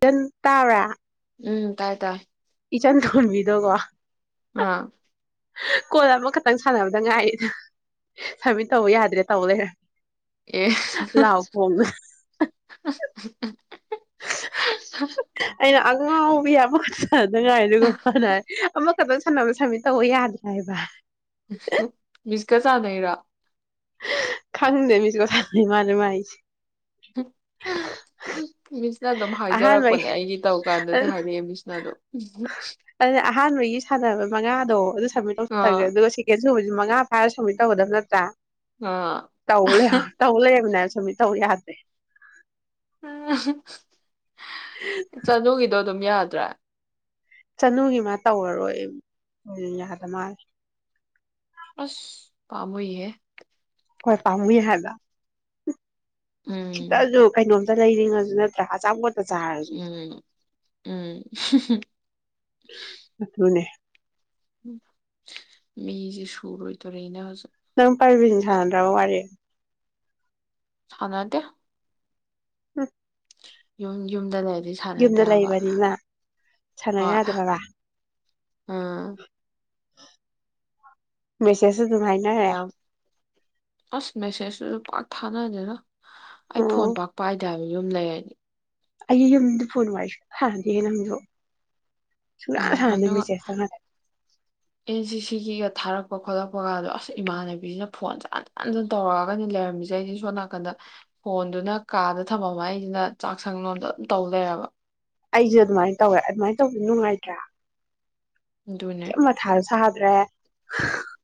ꯌꯦꯟ ꯇꯕ꯭ꯔ ꯎꯝ ꯇꯥꯏ ꯇꯥꯏ ꯏꯆꯟ ꯊꯣꯟꯕꯤꯗꯣꯀꯣ ꯑꯥ ꯀꯣꯜ ꯑꯃꯈꯛꯇꯪ ꯁꯥꯟꯅꯕꯗ ꯉꯥꯏ ꯁꯃꯤꯠ ꯇꯧꯕ ꯌꯥꯗ꯭ꯔꯦ ꯇꯧ ꯂꯩꯔꯦ ꯑꯦ ꯎꯝ ꯂꯥꯎ ꯈꯣꯡꯗꯅ [inaudible] ꯑꯩꯅ ꯑꯉꯥꯎꯕꯤ ꯑꯃꯈ ꯁꯗꯉꯥꯏ ꯑꯗꯨꯒ ꯐꯅ ꯑꯃꯈꯛꯇꯪ ꯁꯥꯟꯅꯕ ꯁꯟꯃꯤꯠ ꯇꯧꯕ ꯌꯥꯗ꯭ꯔꯦ ꯍꯥꯏꯕ ꯃꯤꯁꯀ ꯆꯥꯟꯅꯩꯔꯣ ꯈꯪꯗꯦꯃꯤꯁ ꯀꯁ ꯃꯥꯅꯦ ꯃꯥꯥꯏ ꯃꯤꯁꯅ ꯑꯗꯨꯝ ꯑꯍꯥꯟꯕꯒꯤ ꯍꯥꯏꯖꯔꯛꯄꯅꯦ ꯑꯩꯒꯤ ꯇꯧꯀꯥꯟꯗꯗꯤ ꯍꯥꯏꯔꯛꯑꯦ ꯃꯤꯁꯅꯗꯣ ꯑꯗꯨꯅ ꯑꯍꯥꯟꯕꯒꯤ ꯁꯥꯟꯅꯕ ꯑꯥ ꯁꯕꯁꯤ ꯃꯉꯥ ꯐꯥꯔ ꯁꯨꯕ ꯇꯧꯒꯗꯕ ꯅꯠꯇ꯭ꯔꯥ ꯑꯥ ꯇꯍ ꯇꯍ ꯂꯩꯕꯅꯦ ꯁꯃꯤ ꯇꯧ ꯌꯥꯗꯦ ꯑ ꯆꯠꯒꯗꯣ ꯑꯗꯨꯝ ꯌꯥꯗ꯭ꯔꯥ ꯆꯅꯨꯒꯤ ꯃꯥ ꯇꯧꯔꯔꯣꯏ ꯎꯝ ꯌꯥꯗ ꯃꯥꯜꯂꯤ ꯑꯁ ꯀꯥꯃ ꯏꯦ ꯈꯣꯏ ꯄꯝꯏ ꯍꯥꯏꯕ ꯎꯝ ꯁꯤꯇꯁꯨ ꯀꯩꯅꯣ ꯂꯩꯔꯤꯉꯁꯨ ꯅꯠꯇ꯭ꯔ ꯆꯥ ꯎꯝ ꯎꯝ ꯑꯗꯨꯅꯦ ꯃꯤꯖꯦ ꯁꯨꯔ ꯑꯣꯏꯣꯏ ꯇ ꯔꯦꯅꯁꯨ ꯅꯪ ꯄꯥꯏꯕꯤꯅꯤ ꯁꯥꯟꯗ꯭ꯔꯕ ꯋꯥꯔꯤꯔꯦ ꯊꯅꯗ ꯎꯝ ꯌꯨꯝ ꯌꯨꯝꯗ ꯂꯩꯔꯗꯤ ꯁꯥꯟꯅꯗꯦ ꯌꯨꯝꯗ ꯍꯥꯏꯕ ꯂꯩꯕꯅꯤꯅ ꯁꯥꯟꯅ ꯍꯣꯏ ꯌꯥꯗ꯭ꯔꯕ ꯑꯥ ꯃꯦꯁꯦꯁ ꯑꯗꯨꯝ ꯍꯥꯏꯅꯔꯦ ꯌꯥꯝ ꯑꯁ ꯃꯦꯁꯦꯁ ꯁꯤꯖꯨ ꯄꯥꯛ ꯊꯥꯅꯗꯦꯗ ꯑꯩ ꯐꯣꯟ ꯑꯣ ꯄꯥꯛ ꯄꯥꯏꯗꯦ ꯍꯥꯏꯕ ꯌꯨꯝ ꯂꯩꯔꯅꯤ ꯑꯩ ꯌꯨꯝꯗ ꯐꯣꯟ ꯋꯥꯔꯤ ꯁꯨꯛ ꯁꯥꯅꯗꯤꯌꯦ ꯅꯪꯖꯨ ꯎꯝ ꯑꯗꯨꯒ ꯑꯦꯟ ꯁꯤꯁꯤꯒ ꯊꯥꯔꯛꯄ ꯈꯣꯠꯂꯛꯄ ꯒꯗꯣ ꯑꯁ ꯏꯃꯥꯟꯅꯕꯤꯖꯤꯅ ꯐꯣꯟ ꯖꯦ ꯍꯟꯖꯟ ꯍꯟꯖꯟ ꯇꯧꯔꯛꯑꯒꯅꯤ ꯂꯩꯔꯝꯃꯤꯀꯖꯦ ꯑꯩꯖꯤ ꯁꯣꯟ ꯅꯥꯀꯟꯗ ꯐꯣꯟꯗꯨꯅ ꯀꯥꯗ ꯊꯃꯝꯃ ꯑꯩꯖꯤꯅ ꯆꯥꯛꯁꯪ ꯂꯣꯝꯗ ꯑꯗꯨꯝ ꯇꯧ ꯂꯩꯔꯕ ꯑꯩꯖꯦ ꯑꯗꯨꯃꯥꯏ ꯇꯧꯋꯦ ꯑꯗꯨꯃꯥꯏ ꯇꯧꯕ ꯅꯨꯡꯉꯥꯏꯇ꯭ꯔꯥ ꯑꯗꯨꯅꯦ ꯈꯔ ꯃꯊꯥꯖꯨ ꯁꯥ ꯔꯦ ꯍꯥ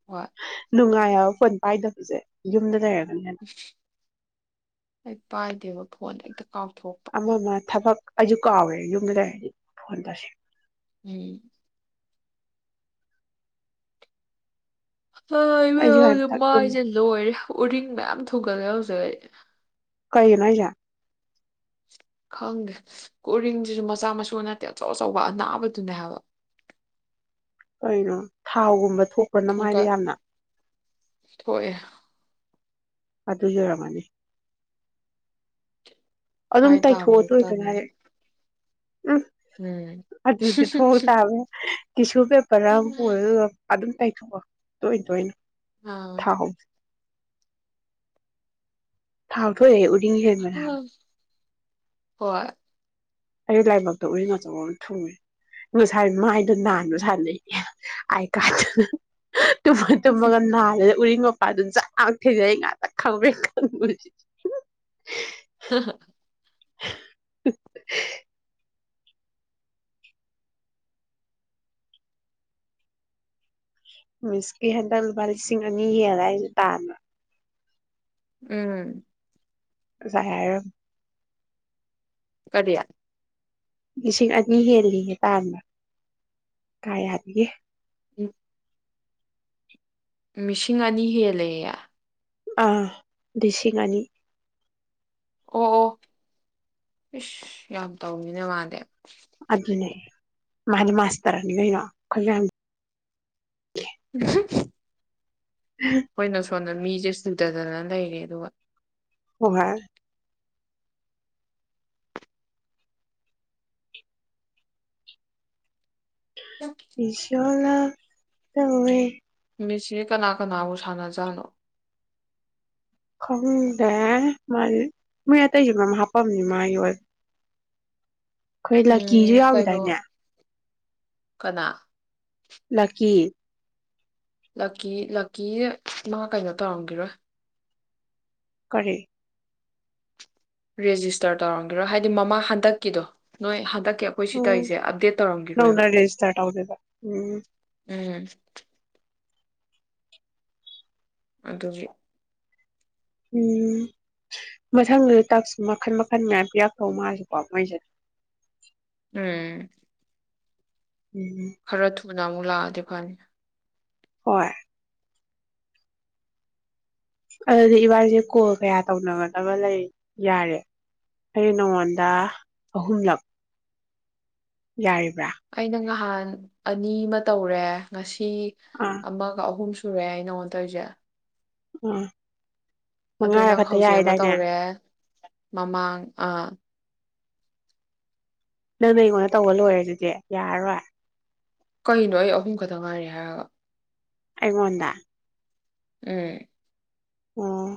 ꯍꯣꯌ ꯅꯨꯡꯉꯥꯏ ꯍꯥꯌꯕ ꯐꯣꯟ ꯄꯥꯏꯗꯕꯖꯦ ꯌꯨꯝꯗ ꯂꯩꯔꯒ ꯑ [inaudible] ꯄꯥꯏꯗꯦꯕ ꯐꯣꯟ ꯍꯦꯛꯇ ꯀꯥꯎꯊꯣꯛꯄ ꯑꯃ ꯑꯃ ꯊꯕꯛ ꯑꯩꯖꯨ ꯀꯥꯎꯋꯦ ꯌꯨꯝꯗꯨ ꯂꯩꯔꯗꯤ ꯐꯣꯟ ꯇꯁ ꯎꯝ ꯍꯣꯏ ꯑꯩꯁꯨ ꯏꯕꯦꯃꯥ ꯍꯟꯗꯛ ꯌꯨꯝ ꯃꯥꯥꯏꯖꯦ ꯂꯣꯏꯔꯦ ꯎꯔꯤꯡ ꯃꯌꯥꯝ ꯊꯨꯡꯒꯠꯂꯦ ꯍꯧꯖꯤꯛ ꯑꯩ ꯀꯩꯒꯤꯅꯣ ꯍꯥꯌꯖꯦ ꯈꯪꯗꯦ ꯀꯣꯔꯤꯡꯖꯤꯖꯨ ꯃꯆꯥ ꯃꯁꯨ ꯅꯠꯇꯦ ꯑꯆꯧ ꯑꯆꯧꯕ ꯑꯅꯥꯕꯗꯨꯅꯦ ꯍꯥꯏꯕ ꯀꯩꯅꯣ ꯊꯥꯎꯒꯨꯝꯕ ꯊꯣꯛꯄꯔ ꯅꯃꯥꯏꯗꯣ ꯌꯥꯝꯅ ꯊꯣꯛꯑ ꯑꯗꯨꯏ ꯑꯣꯏꯔꯝꯃꯅꯤ ꯑꯗꯨꯝ ꯃꯥꯏ ꯇꯩꯊꯣꯛꯑꯣ ꯇꯥꯕꯁꯨ ꯇꯣꯏ ꯇꯣꯏꯅ ꯇꯟꯂꯦ ꯍꯥꯏꯗꯤ ꯎ ꯎꯝ ꯑꯗꯨꯗꯤ ꯊꯣꯛ ꯇꯥꯕꯅꯤ ꯇꯤꯁꯨ ꯄꯦꯄꯔ ꯔ ꯑꯃ ꯄꯨꯔ ꯑ ꯑꯗꯨꯝ ꯇꯥꯏꯊꯣꯛꯑꯣ ꯇꯣꯏ ꯇꯣꯏꯅ ꯑꯥ ꯑꯥꯎ ꯄꯥꯛꯊꯣꯛ ꯑꯣꯏꯌꯦ ꯎ ꯍꯦꯟꯕꯅꯦ ꯍꯥꯏꯕ ꯍꯣꯏ ꯑꯩ ꯂꯥꯏꯕꯛꯇ ꯎꯔꯤꯡ ꯑꯆꯧꯕ ꯑꯃ ꯊꯨꯡꯉꯦ ꯉꯁꯥꯏ ꯃꯥꯏꯗꯣ ꯅꯥꯟꯕ ꯁꯥꯟꯅꯩ ꯅꯤ ꯑꯥꯏ ꯀꯥꯗꯅ ꯇꯨꯝꯃ ꯇꯨꯝꯃꯒ ꯅꯥꯜꯂꯦ ꯎꯔꯤꯡꯗꯣ ꯑꯗꯨꯅꯤ ꯆꯥꯛ ꯊꯤꯔꯤꯉꯩ ꯉꯥꯛꯇ ꯈꯪꯄꯔꯦꯛ ꯈꯪꯕꯖꯤꯗꯤ ꯫ ꯃꯤꯁꯀꯤ ꯍꯟꯗꯛ ꯂꯨꯄꯥ ꯂꯤꯁꯤꯡ ꯑꯅꯤ ꯍꯦꯜꯂ‌ꯦ ꯍꯥꯏꯁꯦ ꯇꯥꯟꯕ꯫ ꯎꯝ꯫ ꯁꯥꯏꯔꯝ꯫ ꯀꯔꯤ꯫ ꯂꯤꯁꯤꯡ ꯑꯅꯤ ꯍꯦꯜꯂꯤꯅꯦ ꯇꯥꯟꯕ ꯀꯔꯌꯥ ꯗꯒꯤ꯫ ꯎꯝ꯫ ꯃꯤꯁꯤꯡ ꯑꯅꯤ ꯍꯦꯜꯂꯦ ꯌ‌ꯦ꯫ ꯑꯥ ꯂꯤꯁꯤꯡ ꯑꯅꯤ꯫ ꯑꯣ- ꯑꯣ ꯏꯁꯁ ꯌꯥꯝ ꯇꯧꯃꯤꯅ ꯃꯥꯗꯤ꯫ ꯑꯗꯨꯅꯦ꯫ ꯃꯥꯅꯦ ꯃꯥꯁꯇꯔꯅꯤ ꯀꯩꯅꯣ ꯈꯣꯏꯌꯟꯒꯤ꯫ ꯎꯝꯍꯨꯝ꯫ ꯍꯣꯏꯅꯁꯨ꯫ ꯁꯣꯝꯗ ꯃꯤꯁꯦ ꯁꯨꯗꯗꯅ ꯂꯩꯔꯦ ꯑꯗꯨꯒ꯫ ꯑꯣ ꯍꯥꯏ꯫ ꯏ ꯁꯤꯌꫭ꯫ ꯂ ꯇꯧꯑꯦ꯫ ꯃꯤꯁꯤ ꯀꯅꯥ ꯀꯅꯥꯕꯨ ꯁꯥꯟꯅꯖꯥꯠꯅꯣ꯫ ꯈꯪꯗꯦ ꯃꯥ ꯃꯣꯏ ꯑꯇꯩꯁꯨ ꯃꯌꯥꯝ ꯍꯥꯞꯄꯝꯅꯤ ꯃꯥ ꯑꯣꯏꯗꯤ꯫ ꯑꯈꯣꯏ ꯂꯛꯀꯤꯁꯨ ꯎꯝ ꯌꯥꯎꯒꯤꯗꯥꯏꯅ‌ꯦ꯫ ꯀꯩꯅꯣ ꯀꯅꯥ꯫ ꯂꯛꯀꯤ꯫ ꯂꯛꯀꯤ ꯂꯛꯀꯤꯁ‌ꯦ ꯃꯥ ꯀꯩꯅꯣ ꯇꯧꯔꯝꯒꯤꯔꯣꯏ꯫ ꯀꯔꯤ꯫ ꯔꯦꯖꯤꯁꯇꯔ ꯇꯧꯔꯝꯒꯤꯔꯣ ꯍꯥꯏꯗꯤ ꯃꯃꯥ ꯍꯟꯗꯛꯀꯤꯗꯣ ꯅꯣꯏ ꯍꯟꯗꯛ꯫ ꯑꯈꯣꯏ ꯎꯝ ꯁꯤꯇꯧꯁꯦ ꯑꯞꯗꯦꯠ ꯅꯧꯅ ꯇꯧꯔꯝꯒꯤꯔꯣꯏꯕ ꯔꯦꯖꯤꯁꯇꯔ ꯇꯧꯗꯣꯏꯕ ꯎꯝ ꯎꯝ꯫ ꯑꯗꯨꯒꯤ꯫ ꯎꯝ ꯃꯊꯪꯗ ꯇꯥꯛꯁ ꯃꯈꯟ ꯃꯈꯟ ꯉꯥꯏꯕ ꯌꯥꯛꯇꯧ ꯃꯥꯜꯂꯤꯀꫭ ꯃꯣꯏꯁꯦ꯫ ꯎꯝ꯫ ꯎꯝ꯫ ꯅꯃꯨꯛ ꯂꯥꯛꯑꯗꯤ ꯐꯅꯤ꯫ ꯍꯣꯏ꯫ ꯑꯗꯨꯗꯤ ꯏꯕꯥꯅꯤꯁꯦ ꯀꯣꯜ ꯀꯌꯥ ꯇꯧꯅꯒꯗꯕ ꯂꯩꯔꯤ ꯌꯥꯔꯤ ꯑꯩ ꯅꯉꯣꯟꯗ ꯑꯍꯨꯝꯂꯛ꯫ ꯌꯔꯤꯕ꯭ꯔꯥ꯫ ꯑꯩꯅ ꯉꯥꯍꯥꯟ ꯑꯅꯤ ꯑꯃ ꯇꯧꯔꯦ ꯉꯁꯤ꯫ ꯏ ꯑꯥ ꯑꯃꯒ ꯑꯍꯨꯝꯁꯨ꯫ ꯁꯨꯔꯦ ꯑꯩ ꯅꯪꯉꯣꯟ ꯇꯧꯔꯤꯖ‌ꯦ꯫ ꯎꯝ꯫ ꯑꯗꯨ ꯅꯪ ꯍꯧꯖꯤꯛ ꯑꯃ ꯇꯧꯔꯦ꯫ ꯃꯃꯥꯡ ꯑꯥ꯫ ꯅꯪꯅ ꯑꯩꯉꯣꯟꯗ ꯇꯧꯕ ꯂꯣꯏꯔꯦ ꯑꯗꯨꯗꯤ ꯌꯥꯔꯔꯣꯏ ꯀꯩꯅꯣ ꯑꯩ ꯑꯍꯨꯝ ꯈꯛꯇ ꯉꯥꯏꯔꯤ ꯍꯥꯏꯔꯒ ꯑꯩꯉꯣꯟꯗ ꯎꯝ ꯑꯣ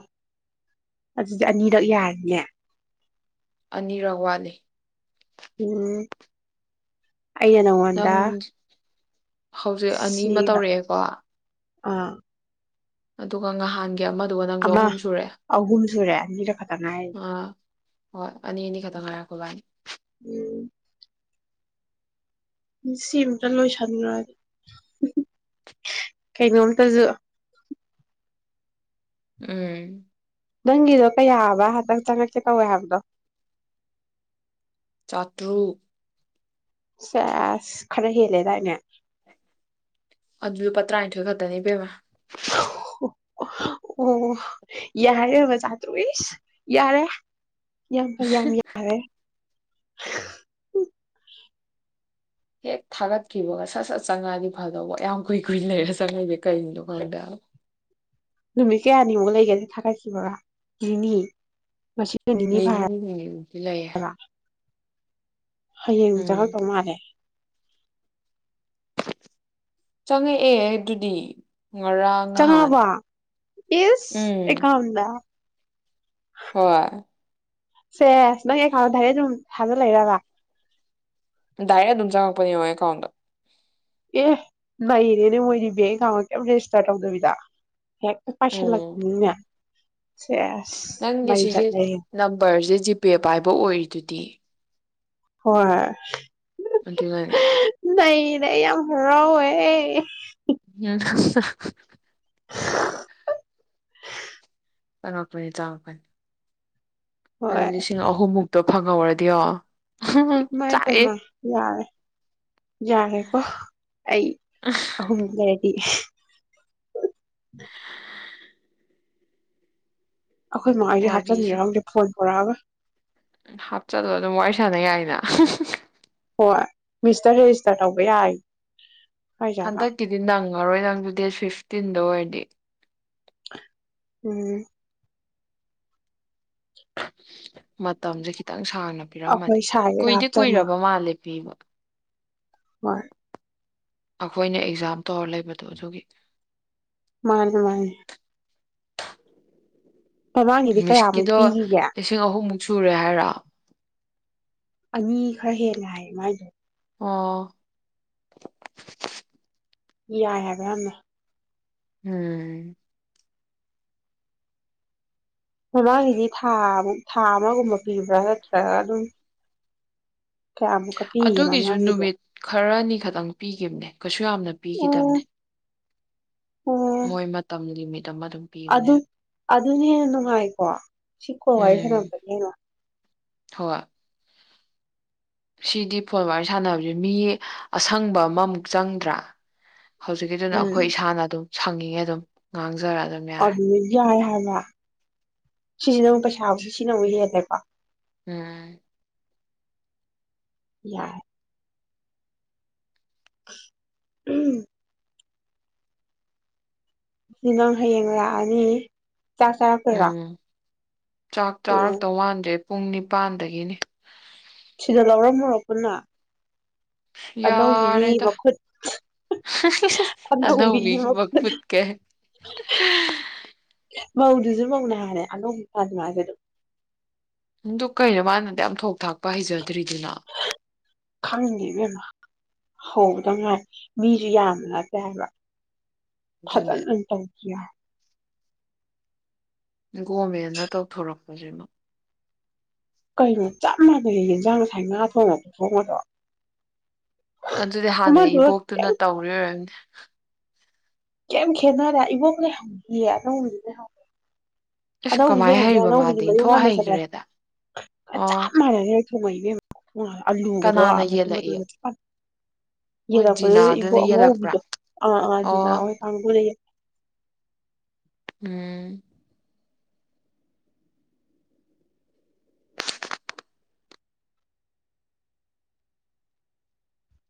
ꯑꯗꯨꯗꯤ ꯑꯅꯤꯔꯛ ꯌꯥꯔꯤꯅꯦ ꯑꯅꯤꯔꯛ ꯋꯥꯠꯂꯤ ꯎꯝ ꯑ ꯅꯪ ꯅꯉꯣꯟꯗ ꯍꯧꯖꯤꯛ ꯑꯅꯤ ꯑꯃ ꯇꯧꯔꯛꯑꯦꯀꯣ ꯑꯥ ꯑꯗꯨꯒ ꯉꯍꯥꯟ ꯑꯃꯗꯨꯒ ꯅꯪꯁꯨ ꯑꯃ ꯑꯍꯨꯝ ꯁꯨꯔꯑꯦ ꯑꯍꯨꯝ ꯁꯨꯔꯦ ꯑꯅꯤꯔꯛ ꯈꯛꯇ ꯉꯥꯏꯔꯤ ꯑꯥ ꯍꯣꯏ ꯑꯅꯤ ꯑꯅꯤ ꯈꯛꯇ ꯉꯣꯏꯔꯦ ꯑꯩꯈꯣꯏꯕꯥꯅꯤ ꯎꯝ ꯁꯤ ꯑꯝꯇ ꯂꯣꯏꯁꯟꯂꯨꯔꯒ ꯀꯩꯅꯣꯝꯇꯁꯨ ꯎꯝ ꯅꯪꯒꯤꯗꯣ ꯀꯌꯥꯕ ꯍꯟꯇꯪ ꯆꯪꯉꯛꯀꯦ ꯇꯧꯋꯦ ꯍꯥꯏꯕꯗꯣ ꯆꯥꯠꯇ꯭ꯔꯨꯛ ꯆꯦꯁ ꯈꯔ ꯍꯦꯜꯂꯦꯗꯥꯏꯅꯦ ꯑꯗꯨꯖꯨ ꯂꯨꯄꯥ ꯇꯔꯥꯅꯤꯊꯣꯏ ꯈꯛꯇꯅꯤ ꯏꯄꯦꯃ ꯑꯣ ꯌꯥꯔꯦ ꯃꯖꯥ ꯇꯁ ꯌꯥꯔꯦ ꯌꯥꯝ ꯐꯩ ꯌꯥꯝ ꯌꯥꯔꯦ ꯎ ꯍꯦꯛ ꯊꯥꯒꯠꯈꯤꯕꯒ ꯁꯠ ꯁꯠ ꯆꯪꯉꯛꯑꯗꯤ ꯐꯗꯧꯕ ꯌꯥꯝ ꯀꯨꯏ ꯀꯨꯏꯅ ꯂꯩꯔ ꯆꯪꯉꯤꯖꯦ ꯀꯔꯤꯒꯤꯅꯣ ꯈꯪꯗꯦꯕ ꯅꯨꯃꯤꯠ ꯀꯌꯥꯅꯤꯃꯨꯛ ꯂꯩꯒꯅꯤ ꯊꯥꯒꯠꯈꯤꯕꯥꯒ ꯅꯤꯅꯤ ꯉꯁꯤ ꯅꯤꯅ ꯍꯨꯝꯅꯤ ꯃꯨꯛꯇꯤ ꯂꯩꯌꯦ ꯍꯌꯦꯡ ꯎꯝ ꯆꯪꯉꯛꯇꯧ ꯃꯥꯜꯂꯦ ꯆꯪꯉꯛ ꯑꯦ ꯑꯗꯨꯗꯤ ꯉꯔꯥꯡ ꯅꯍꯥꯟ ꯆꯪꯉꯛꯒꯕ ꯏꯁ ꯎꯝ ꯑꯦꯀꯥꯎꯟꯗ ꯍꯣꯏ ꯁꯦꯁ ꯅꯪ ꯑꯦꯀꯥꯎꯟꯗ ꯗꯥꯏꯔꯦꯛ ꯗꯨꯝ ꯊꯥꯖꯜ ꯂꯛꯏꯔꯕ ꯗꯥꯏꯔꯦꯛ ꯑꯗꯨꯝ ꯆꯪꯉꯛꯄꯅꯤꯕꯣ ꯑꯦꯀꯥꯎꯟꯗ ꯑꯦ ꯅꯩꯔꯦꯅꯦ ꯃꯣꯏꯗꯤ ꯕꯦꯡ ꯑꯦꯀꯥꯎꯟꯒ ꯀꯩꯝ ꯔꯦꯖꯤꯁꯇꯥꯔ ꯇꯧꯗꯕꯤꯗ ꯍꯦꯛꯇ ꯄꯥꯏꯁꯜꯂꯛꯄꯤꯅꯤꯅꯦ ꯅꯪꯗꯤ ꯁꯤꯒꯤ ꯆꯠꯂꯦꯍꯦ ꯅꯝꯕꯔꯁꯦ ꯖꯤꯄꯦ ꯄꯥꯏꯕ ꯑꯣꯏꯔꯤꯗꯨꯗꯤ ꯍꯣꯏ ꯑꯗꯨꯅꯅꯤ ꯌꯦ ꯑꯩ ꯌꯥꯝ ꯍꯔꯥꯎꯋꯦ [unintelligible] ꯆꯪꯉꯛꯄꯅꯤ ꯆꯪꯉꯛꯄꯅꯤ ꯑꯗꯨ ꯍꯣꯏ ꯂꯤꯁꯤꯡ ꯑꯍꯨꯝꯃꯨꯛꯇ ꯐꯪꯍꯧꯔꯗꯤꯌꯣ ꯏꯃꯥꯏ ꯄꯦꯝꯃ ꯌꯥꯔꯦ ꯌꯥꯔꯦ ꯀꯣ ꯑꯩ ꯑꯍꯨꯝꯗꯨ ꯂꯩꯔꯗꯤ [unintelligible] ꯑꯩꯈꯣꯏ ꯃꯥ ꯍꯣꯏꯁꯦ ꯍꯥꯞꯆꯤꯟꯖꯤꯔ ꯈꯪꯗꯦ ꯐꯣꯟ ꯑꯣꯔꯔꯣꯏ ꯍꯥꯞꯆꯜꯂꯒ ꯑꯗꯨꯝ ꯋꯥꯔꯤ ꯁꯥꯟꯅ ꯌꯥꯏꯅ ꯍꯣꯏ ꯃꯤꯁꯇꯔ ꯔꯦꯖꯤꯁꯇꯔ ꯇꯧꯕ ꯌꯥꯏ ꯍꯥꯏꯖꯥꯠꯂ ꯍꯟꯗꯛꯀꯤꯗꯤ ꯅꯪ ꯐꯉꯔꯣꯏ ꯅꯪꯁꯨ ꯗꯦꯠ ꯐꯤꯐꯇꯤꯟꯗ ꯑꯣꯏꯔꯗꯤ ꯎꯝ ꯃꯇꯝꯁꯦ ꯈꯤꯇꯪ ꯁꯥꯡꯅ ꯄꯤꯔꯝꯃꯗꯤ ꯑꯩꯈꯣꯏ ꯁꯥꯏꯗꯒ ꯀꯨꯏꯗꯤ ꯍꯥꯞꯆꯟꯕ ꯀꯨꯏꯔꯕ ꯃꯥꯜꯂꯦ ꯄꯤꯕ ꯚꯣꯏ ꯑꯩꯈꯣꯏꯅ ꯑꯦꯛꯖꯥꯝ ꯇꯧꯔ ꯂꯩꯕꯗꯣ ꯑꯗꯨꯒꯤ ꯃꯥꯟꯅꯦ ꯃꯥꯟꯅꯦ ꯃꯃꯥꯡꯒꯤꯗꯤ ꯀꯌꯥꯃꯨꯛ ꯃꯤꯁꯀꯤꯗꯣ ꯄꯤꯈꯤꯒꯦ ꯂꯤꯁꯤꯡ ꯑꯍꯨꯝꯃꯨꯛ ꯁꯨꯔꯦ ꯍꯥꯏꯔꯣ ꯑꯅꯤ ꯈꯔ ꯍꯦꯟꯂꯦ ꯍꯥꯏ ꯃꯥꯖꯦ ꯑꯣ ꯌꯥꯏ ꯍꯥꯏꯕ ꯌꯥꯝꯅ ꯎꯝ ꯃꯃꯥꯡꯒꯤꯗꯤ ꯊꯥ ꯊꯥ ꯑꯃꯒꯨꯝꯕ ꯄꯤꯕ꯭ꯔꯥ ꯅꯠꯇ꯭ꯔꯒ ꯑꯗꯨꯝ ꯀꯌꯥꯃꯨꯛꯀ ꯄꯤꯒꯦ ꯑꯗꯨꯒꯤꯁꯨ ꯃꯃꯥꯡꯒꯤꯗꯤ ꯅꯨꯃꯤꯠ ꯈꯔꯅꯤ ꯈꯛꯇꯪ ꯄꯤꯈꯤꯕꯅꯦ ꯀꯩꯁꯨ ꯌꯥꯝꯅ ꯑꯣ ꯄꯤꯈꯤꯗꯕꯅꯦ ꯑꯣ ꯃꯣꯏ ꯃꯇꯝ ꯅꯨꯃꯤꯠ ꯑꯗꯨ ꯑꯗꯨꯅ ꯍꯦꯟꯅ ꯅꯨꯡꯉꯥꯏꯀꯣ ꯁꯤ ꯀꯣꯜ ꯋꯥꯔꯤ ꯎꯝ ꯁꯥꯟꯅꯕꯒꯤ ꯍꯦꯟꯅ ꯍꯣꯏ ꯁꯤꯗꯤ ꯐꯣꯣꯟ ꯋꯥꯔꯤꯔ ꯁꯥꯟꯅꯕꯁꯦ ꯃꯤ ꯑꯁꯪꯕ ꯑꯃꯃꯨꯛ ꯆꯪꯗ꯭ꯔꯥ ꯍꯧꯖꯤꯛꯀꯤꯗꯨꯅ ꯎꯝ ꯑꯩꯈꯣꯏ ꯏꯁꯥꯅ ꯑꯗꯨꯝ ꯁꯪꯉꯤꯉꯦ ꯑꯗꯨꯝ ꯉꯥꯡꯁ ꯑ ꯌꯥꯦ ꯁꯤꯁꯤꯅ ꯑꯃꯨꯛ ꯄꯩꯁꯥꯁꯦ ꯁꯤꯅ ꯑꯃꯨꯛ ꯍꯦꯜꯂꯦꯀꯣ ꯎꯝ ꯌꯥꯏ ꯎꯝ ꯁꯤ ꯅꯪ ꯍꯌꯦꯡ ꯂꯥꯛꯑꯅꯤ ꯆꯁꯥ ꯐꯔ ꯎꯝ ꯆꯥꯛ ꯆꯥꯔꯛꯇ ꯋꯥꯟꯗꯦ ꯄꯨꯡ ꯅꯤꯄꯥꯟꯗꯒꯤꯅꯤ ꯁꯤꯗ ꯂꯧꯔꯝꯃꯣꯔꯣ ꯄꯨꯟꯅ ꯑꯅꯧꯕꯤꯒꯤ ꯌꯥꯔꯦꯗ ꯃꯈꯨꯠ ꯑꯅꯧꯕꯤꯒꯤ ꯃꯈꯨꯠꯀꯦ ꯃꯧꯗꯨꯁꯨ ꯃꯅ ꯍꯥꯏꯔꯦ ꯑꯗꯣ ꯐ ꯃꯥꯁꯦ ꯑꯗꯨꯝ ꯅꯗ ꯀꯩꯅꯣ ꯃꯥꯅꯗꯤ ꯌꯥꯝ ꯊꯣꯛ ꯊꯥꯛꯄ ꯍꯩꯖꯗ꯭ꯔꯤꯗꯨꯅ ꯈꯪꯗꯕꯦꯝꯃ ꯍꯗꯉꯥꯏ ꯃꯤꯁꯨ ꯌꯥꯝꯅ ꯂꯄꯦ ꯍꯥꯏꯕ ꯑꯗꯨꯅꯦ ꯐꯖꯇꯪ ꯀ ꯒꯣꯔꯃꯦꯟꯅ ꯇꯧꯊꯣꯔꯛꯄꯁꯤꯅ ꯀꯩꯅꯣ ꯆꯞ ꯃꯥꯟꯅꯩ ꯌꯦꯟꯁꯥꯡ ꯉꯁꯥꯏ ꯉꯥ ꯊꯣꯡꯉꯄ ꯊꯣꯡꯕꯗꯣ ꯑꯗꯨꯗꯤ ꯍꯥꯟꯅ ꯏꯕꯣꯛꯇꯨꯅ ꯇꯧꯔꯝꯅꯦ [inaudible] ꯀꯦꯝ ꯈꯦꯅꯔꯦ ꯏꯕꯣꯅꯦ ꯍꯪꯕꯤꯌꯦ ꯅꯪ ꯍꯪ ꯑꯁ ꯑꯅꯧꯕꯗꯤ ꯀꯃꯥꯏꯅ ꯂꯩꯍꯧꯗꯦ ꯍꯩꯕ ꯑꯅꯧꯕꯤꯅꯤ ꯃꯥꯗꯤ ꯃꯌ ꯏꯟꯊꯣꯛ ꯉꯥꯟꯟꯅ ꯆꯠꯂꯦ ꯍꯩꯈ꯭ꯔꯦꯗ ꯑꯣ ꯆꯞ ꯃꯥꯟꯅꯔꯦ [inaudible] ꯎ ꯑꯥꯂꯨꯕꯗꯣ ꯃ ꯀꯅꯥꯅ ꯃꯇꯨꯡ ꯌꯦꯜꯂꯛꯏ ꯃꯣꯏ ꯌꯦꯂꯛꯄꯗꯨꯗ ꯖꯤꯅꯥꯗꯨꯅ ꯏꯕꯣꯛ ꯌꯦꯜꯂꯛꯄ꯭ꯔꯥ ꯑꯉꯧꯕꯤꯗꯣ ꯑꯥ ꯑꯥ ꯑꯣ ꯖꯤꯅꯥ ꯍꯣꯏ ꯀꯥꯡꯕꯨꯗ ꯎꯝ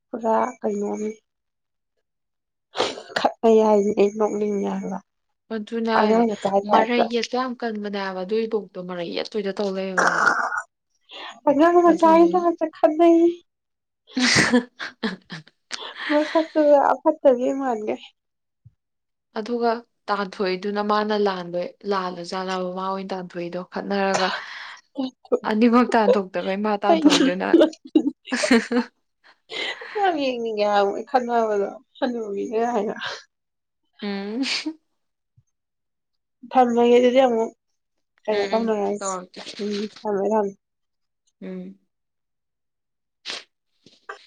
ꯄꯨꯔꯥ ꯀꯩꯅꯣꯅꯤ ꯈꯠꯅ ꯍꯥꯏꯏ ꯑꯩ ꯅꯣꯛꯅꯤꯡꯉꯦ ꯍꯥꯏꯕ ꯑꯗꯨꯅ ꯑꯉꯥꯡ ꯃꯆꯥꯒꯤ ꯃꯔꯩ ꯇꯥꯏꯞꯇ ꯌꯦꯠꯠꯇ ꯌꯥꯝ ꯀꯟꯕꯅꯦꯕ ꯑꯗꯨꯏ ꯄꯣꯛꯇꯣ ꯃꯔꯩ ꯌꯦꯠꯣ ꯑꯗꯨꯅꯦ [unintelligible] ꯃꯁꯛꯇꯨꯒ ꯐꯗꯤ ꯃꯥꯟꯒꯩ ꯑꯗꯨꯒ ꯇꯥꯟꯊꯣꯛꯏꯗꯨꯅ ꯃꯥꯅ ꯂꯥꯟꯕꯩ ꯂꯥꯜꯂ ꯖꯥꯠꯂꯕ ꯃꯥ ꯑꯣꯏꯅ ꯇꯥꯟꯊꯣꯛꯏꯗꯣ ꯈꯠꯅꯔꯒ ꯑꯅꯤꯃꯛ ꯇꯥꯟꯊꯣꯛꯇꯕ ꯏꯃꯥ ꯑꯩ ꯇꯥꯟꯊꯣꯛꯏꯗꯨꯅ ꯃꯣꯏ ꯈꯟꯅꯕꯗꯣ ꯈꯂꯨꯔꯒ ꯏꯀꯥꯏ ꯍꯥꯏꯕ ꯎꯝ ꯊꯝꯃꯒ ꯑꯗꯨꯗꯤꯉꯣ ꯀꯩꯅꯣ ꯎꯝ ꯎꯝ ꯇꯧꯅꯥꯏ ꯇꯧꯔꯛꯀꯦ ꯎꯝ ꯊꯃꯃꯦ ꯊꯃꯦ ꯎꯝ